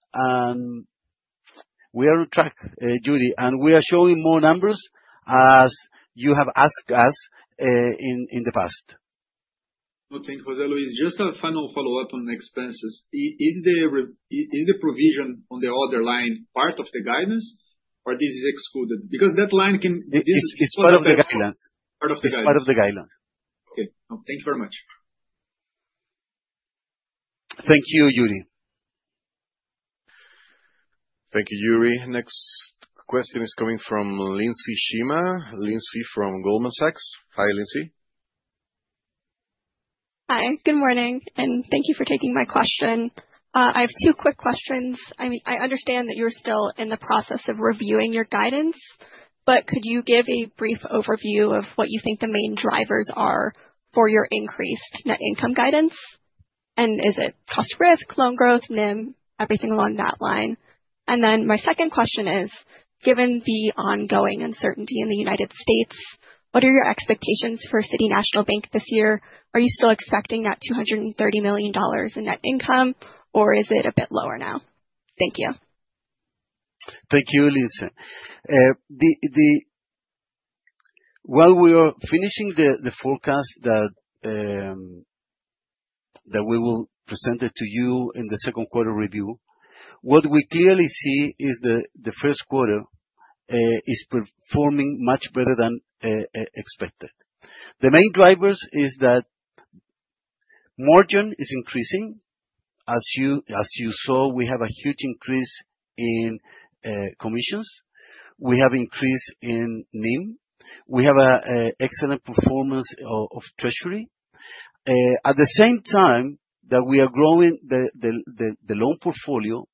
and we are on track, Yuri Fernandes. We are showing more numbers as you have asked us in the past. Okay, José Luis, just a final follow-up on expenses. Is the provision on the other line part of the guidance or this is excluded? Because that line can It's part of the guidance. Part of the guidance. It's part of the guidance. Okay. No, thank you very much. Thank you, Yuri. Thank you, Yuri. Next question is coming from Lindsey Shema. Lindsey from Goldman Sachs. Hi, Lindsey. Hi, good morning, and thank you for taking my question. I have two quick questions. I mean, I understand that you're still in the process of reviewing your guidance, but could you give a brief overview of what you think the main drivers are for your increased net income guidance? And is it cost risk, loan growth, NIM, everything along that line? And then my second question is, given the ongoing uncertainty in the United States, what are your expectations for City National Bank this year? Are you still expecting that $230 million in net income, or is it a bit lower now? Thank you. Thank you, Lindsey. While we are finishing the forecast that we will present it to you in the second quarter review, what we clearly see is the first quarter is performing much better than expected. The main drivers is that margin is increasing. As you saw, we have a huge increase in commissions. We have increase in NIM. We have a excellent performance of treasury. At the same time that we are growing the loan portfolio,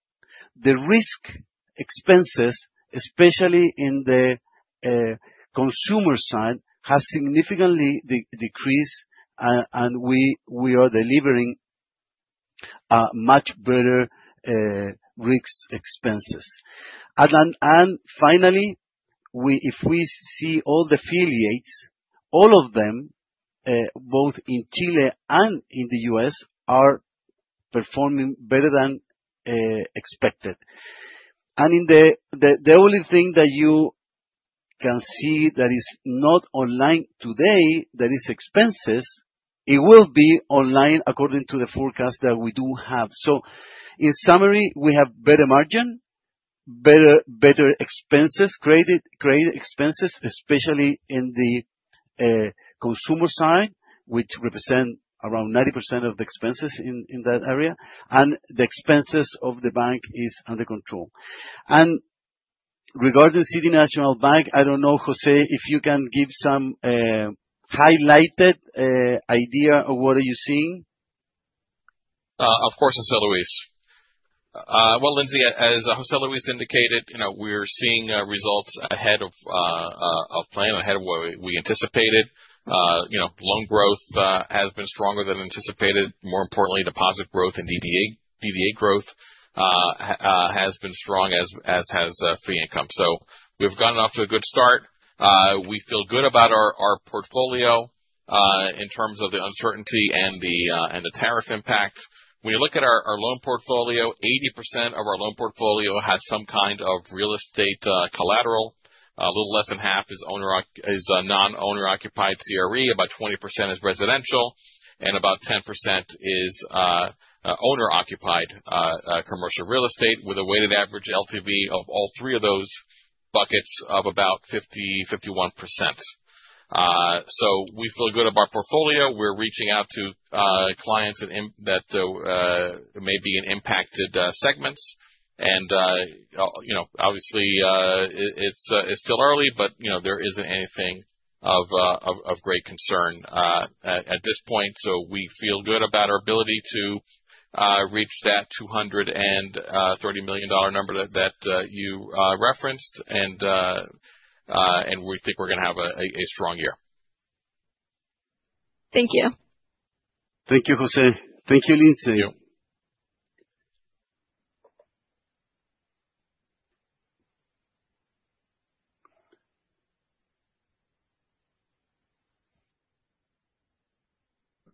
the risk expenses, especially in the consumer side, has significantly decreased and we are delivering much better risk expenses. Finally, if we see all the affiliates, all of them, both in Chile and in the U.S., are performing better than expected. In the only thing that you can see that is not online today, that is expenses, it will be online according to the forecast that we do have. In summary, we have better margin, better expenses, great expenses, especially in the consumer side, which represent around 90% of the expenses in that area, and the expenses of the bank is under control. Regarding City National Bank, I don't know, José, if you can give some highlighted idea of what are you seeing. Of course, José Luis. Well, Lindsey, as José Luis indicated, you know, we're seeing results ahead of plan, ahead of what we anticipated. You know, loan growth has been stronger than anticipated. More importantly, deposit growth and DDA growth has been strong, as has fee income. We've gotten off to a good start. We feel good about our portfolio in terms of the uncertainty and the tariff impact. When you look at our loan portfolio, 80% of our loan portfolio has some kind of real estate collateral. A little less than half is non-owner occupied CRE, about 20% is residential, and about 10% is owner-occupied commercial real estate with a weighted average LTV of all three of those buckets of about 50%-51%. We feel good about portfolio. We're reaching out to clients that may be in impacted segments. You know, obviously, it's still early, but, you know, there isn't anything of great concern at this point. We feel good about our ability to reach that $230 million number that you referenced. We think we're gonna have a strong year. Thank you. Thank you, José. Thank you, Lindsey.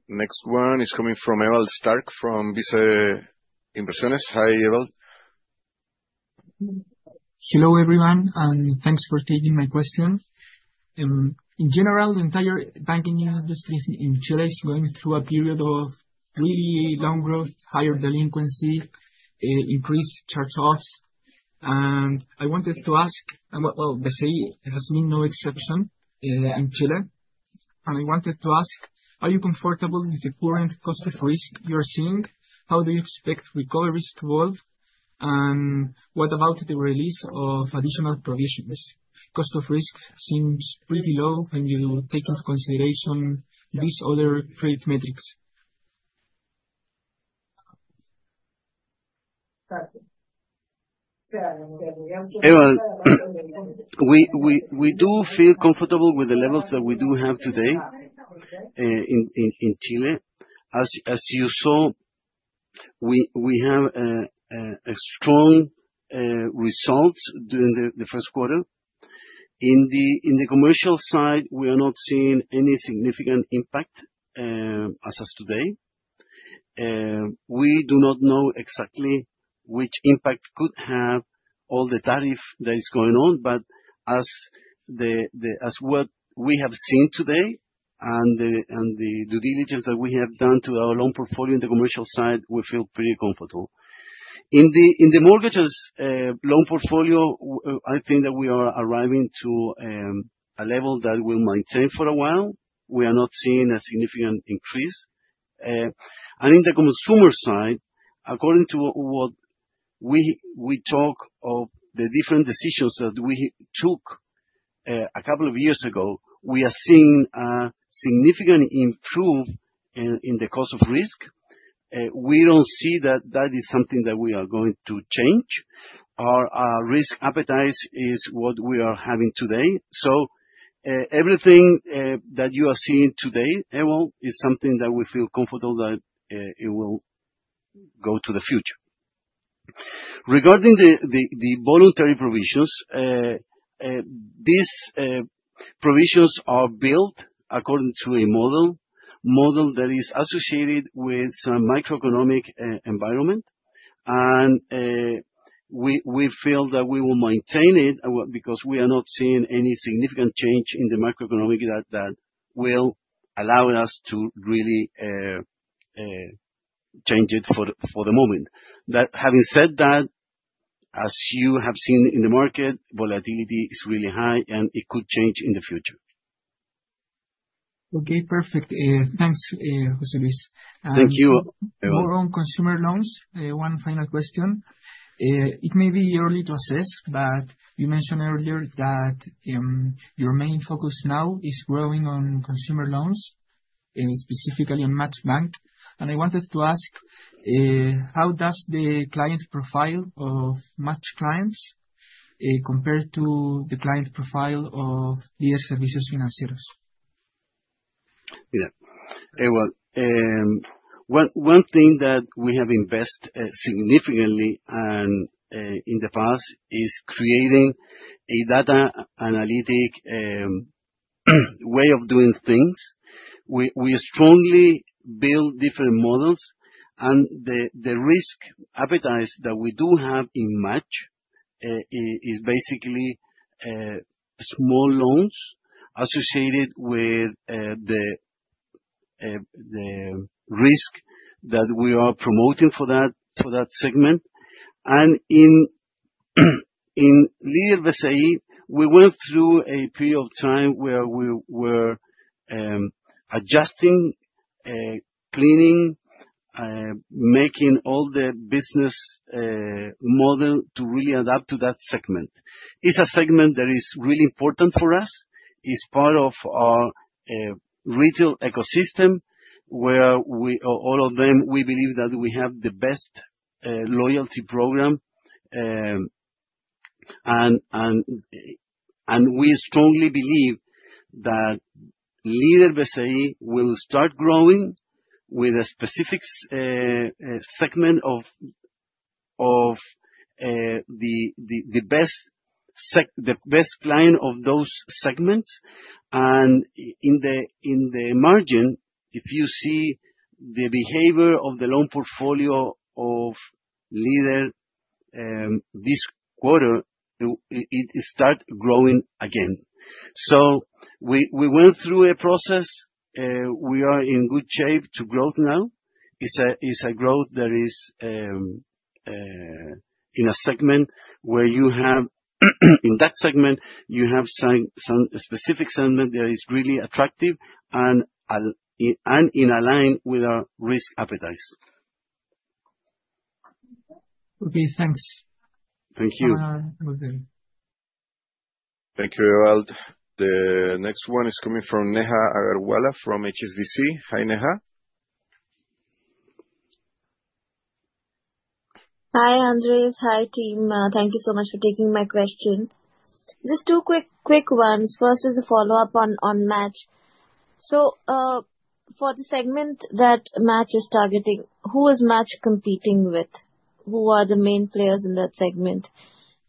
Next one is coming from Ewald Stark from BICE Inversiones. Hi, Ewald. Hello, everyone, and thanks for taking my question. In general, the entire banking industry in Chile is going through a period of pretty low growth, higher delinquency, increased charge-offs. Bci has been no exception in Chile. I wanted to ask, are you comfortable with the current cost of risk you are seeing? How do you expect recovery risk to evolve? And what about the release of additional provisions? Cost of risk seems pretty low when you take into consideration these other credit metrics. Ewald, we do feel comfortable with the levels that we do have today in Chile. As you saw, we have a strong result during the first quarter. In the commercial side, we are not seeing any significant impact as of today. We do not know exactly what impact the tariffs could have that is going on. But with what we have seen today and the due diligence that we have done to our loan portfolio in the commercial side, we feel pretty comfortable. In the mortgages loan portfolio, I think that we are arriving to a level that will maintain for a while. We are not seeing a significant increase. In the consumer side, according to what we talk of the different decisions that we took a couple of years ago, we are seeing a significant improvement in the cost of risk. We don't see that is something that we are going to change. Our risk appetite is what we are having today. Everything that you are seeing today, Ewald, is something that we feel comfortable that it will go to the future. Regarding the voluntary provisions, these provisions are built according to a model that is associated with some macroeconomic environment. We feel that we will maintain it because we are not seeing any significant change in the macroeconomic that will allow us to really change it for the moment. Having said that, as you have seen in the market, volatility is really high, and it could change in the future. Okay, perfect. Thanks, José Luis. Thank you, Ewald. More on consumer loans, one final question. It may be early to assess, but you mentioned earlier that your main focus now is growing on consumer loans, and specifically on MACHBANK. I wanted to ask, how does the client profile of MACH clients compare to the client profile of Lider Servicios Financieros? Yeah. Ewald, one thing that we have invest significantly and in the past is creating a data analytics way of doing things. We strongly build different models, and the risk appetite that we do have in MACH is basically small loans associated with the risk that we are promoting for that segment. In Lider Bci, we went through a period of time where we were adjusting, cleaning, making all the business model to really adapt to that segment. It's a segment that is really important for us. It's part of our retail ecosystem, where all of them, we believe that we have the best loyalty program. We strongly believe that Lider Bci will start growing with a specific segment of the best client of those segments. In the margin, if you see the behavior of the loan portfolio of Lider, this quarter, it start growing again. We went through a process. We are in good shape to grow now. It's a growth that is in a segment where you have. In that segment, you have some specific segment that is really attractive and in line with our risk appetite. Okay, thanks. Thank you. Jose. Thank you, Ewald. The next one is coming from Neha Agarwala from HSBC. Hi, Neha. Hi, Andrés. Hi, team. Thank you so much for taking my question. Just two quick ones. First is a follow-up on MACH. For the segment that MACH is targeting, who is MACH competing with? Who are the main players in that segment?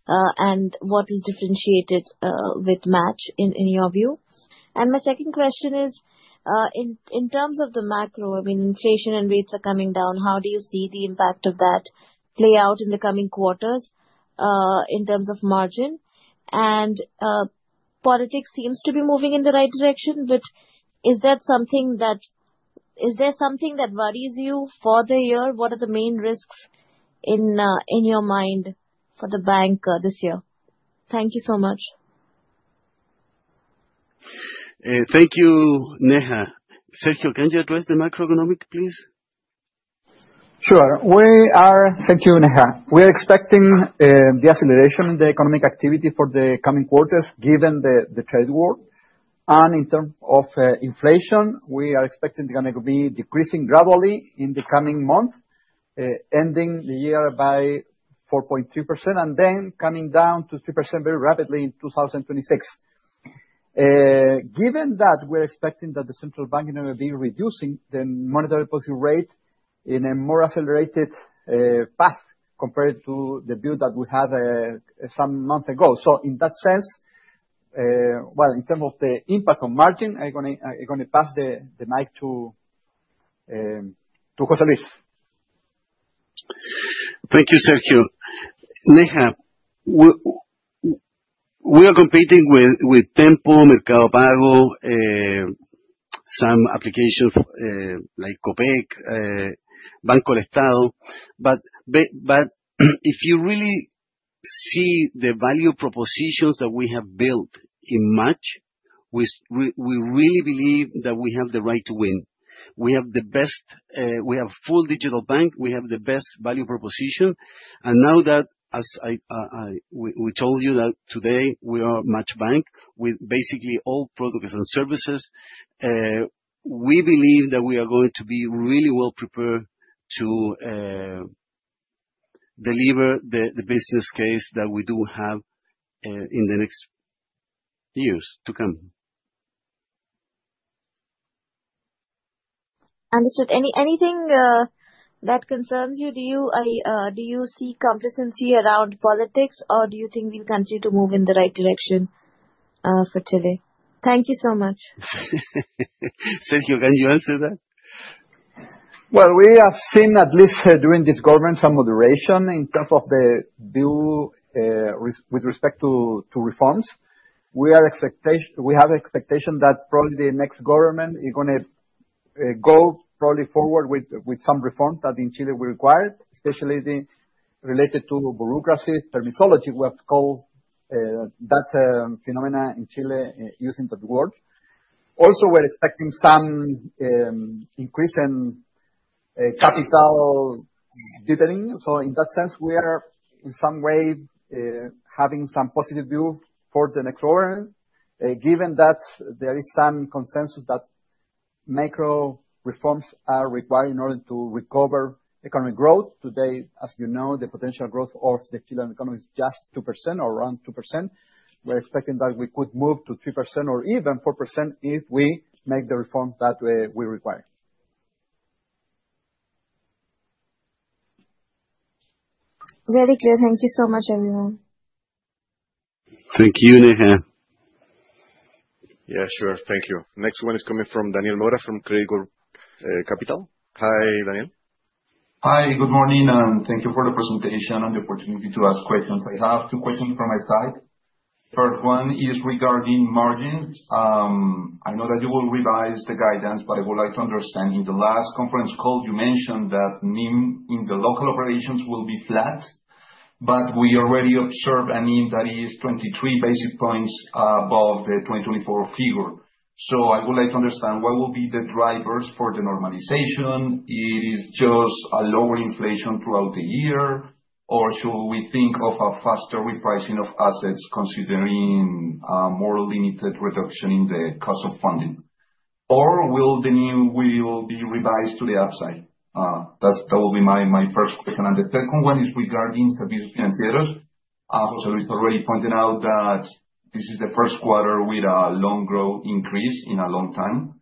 And what is differentiated with MACH in your view? And my second question is, in terms of the macro, I mean, inflation and rates are coming down, how do you see the impact of that play out in the coming quarters, in terms of margin? And politics seems to be moving in the right direction, but is that something that is there something that worries you for the year? What are the main risks in your mind for the bank this year? Thank you so much. Thank you, Neha. Sergio, can you address the macroeconomic, please? Sure. Thank you, Neha. We're expecting the acceleration in the economic activity for the coming quarters, given the trade war. In terms of inflation, we are expecting gonna be decreasing gradually in the coming months, ending the year by 4.2%, and then coming down to 3% very rapidly in 2026. Given that we're expecting that the central bank is gonna be reducing the monetary policy rate in a more accelerated path compared to the view that we had some months ago. In that sense, in terms of the impact on margin, I'm gonna pass the mic to José Luis. Thank you, Sergio. Neha, we are competing with Tenpo, Mercado Pago, some applications, like Copec, BancoEstado. If you really see the value propositions that we have built in MACH, we really believe that we have the right to win. We have the best, we have full digital bank, we have the best value proposition. Now that we told you that today, we are MACHBANK with basically all products and services, we believe that we are going to be really well prepared to deliver the business case that we do have in the next years to come. Understood. Anything that concerns you? Do you see complacency around politics, or do you think the country to move in the right direction for Chile? Thank you so much. Sergio, can you answer that? Well, we have seen, at least during this government, some moderation in terms of the bill with respect to reforms. We have expectation that probably the next government is gonna go probably forward with some reforms that in Chile were required, especially the related to bureaucracy, permitology, we have to call that phenomena in Chile using that word. Also, we're expecting some increase in capital [totaling]. In that sense, we are in some way having some positive view for the next government. Given that there is some consensus that macro reforms are required in order to recover economic growth. Today, as you know, the potential growth of the Chilean economy is just 2% or around 2%. We're expecting that we could move to 3% or even 4% if we make the reforms that we require. Very clear. Thank you so much, everyone. Thank you, Neha. Yeah, sure. Thank you. Next one is coming from Daniel Mora from Credicorp Capital. Hi, Daniel. Hi. Good morning, and thank you for the presentation and the opportunity to ask questions. I have two questions from my side. First one is regarding margins. I know that you will revise the guidance, but I would like to understand. In the last conference call, you mentioned that NIM in the local operations will be flat, but we already observed a NIM that is 23 basis points above the 2024 figure. I would like to understand what will be the drivers for the normalization. Is just a lower inflation throughout the year, or should we think of a faster repricing of assets considering more limited reduction in the cost of funding? Or will the NIM be revised to the upside? That's my first question. And the second one is regarding Servicios Financieros. José Luis already pointed out that this is the first quarter with a loan growth increase in a long time.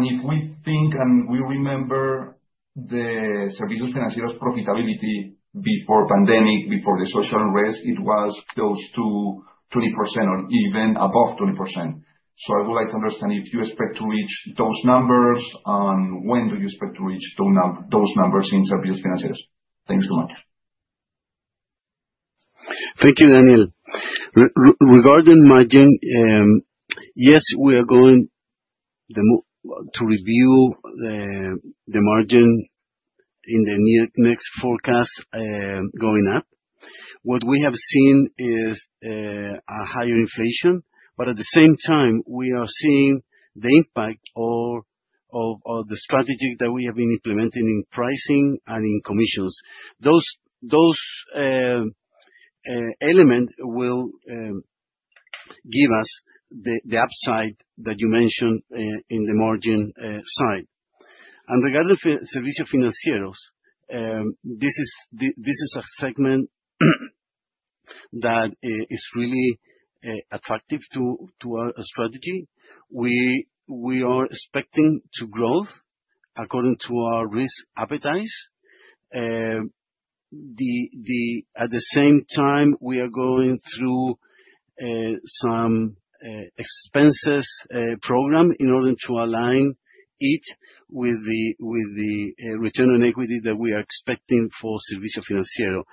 If we think and we remember the Servicios Financieros profitability before pandemic, before the social risk, it was close to 20% or even above 20%. I would like to understand if you expect to reach those numbers, and when do you expect to reach those numbers in Servicios Financieros? Thanks so much. Thank you, Daniel. Regarding margin, yes, we are going to review the margin in the next forecast going up. What we have seen is a higher inflation, but at the same time, we are seeing the impact of the strategy that we have been implementing in pricing and in commissions. Those elements will give us the upside that you mentioned in the margin side. Regarding Servicios Financieros, this is a segment that is really attractive to our strategy. We are expecting to grow according to our risk appetite. At the same time, we are going through some expenses program in order to align it with the return on equity that we are expecting for Servicios Financieros.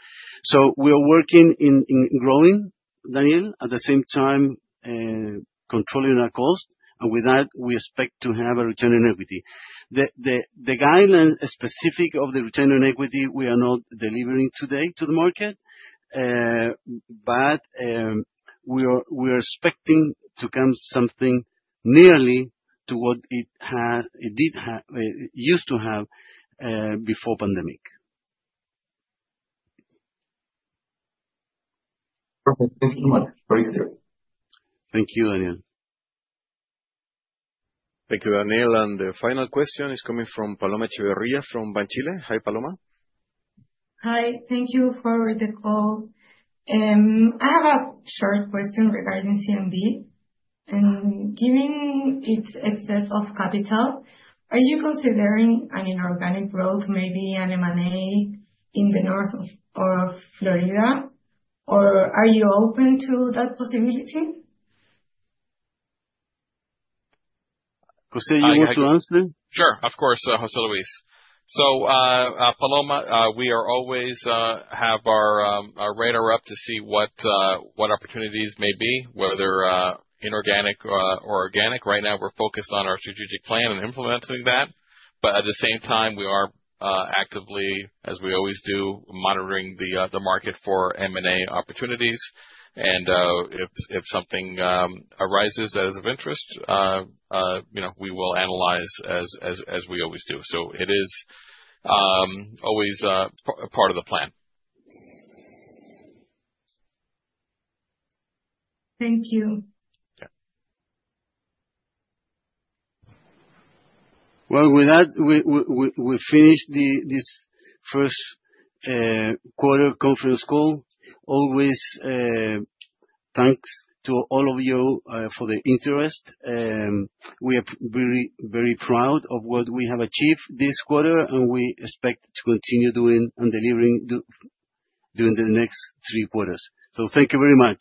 We are working on growing, Daniel, at the same time, controlling our cost. With that, we expect to have a return on equity. The specific guideline of the return on equity, we are not delivering today to the market. We are expecting to come to something nearly to what it used to have before pandemic. Perfect. Thank you so much. Very clear. Thank you, Daniel. Thank you, Daniel. The final question is coming from Paloma Echeverría from Banchile. Hi, Paloma. Hi. Thank you for the call. I have a short question regarding CNB. Given its excess of capital, are you considering an inorganic growth, maybe an M&A in the north of Florida? Or are you open to that possibility? Jose, you want to answer? Sure. Of course, José Luis. Paloma, we always have our radar up to see what opportunities may be, whether inorganic or organic. Right now, we're focused on our strategic plan and implementing that. At the same time, we are actively, as we always do, monitoring the market for M&A opportunities. If something arises that is of interest, you know, we will analyze as we always do. It is always part of the plan. Thank you. Yeah. Well, with that, we finish this first quarter conference call. Always, thanks to all of you for the interest. We are very proud of what we have achieved this quarter, and we expect to continue doing and delivering during the next three quarters. Thank you very much.